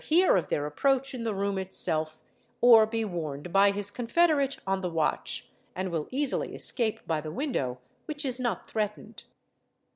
hear of their approach in the room itself or be warned by his confeder ate on the watch, and will easily escape by the window which is not — threatened.